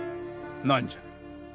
何じゃ？